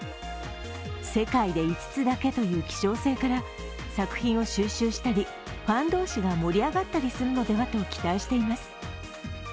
世界で５つだけという希少性から作品を収集したり、ファン同士が盛り上がったりするのではと期待しています。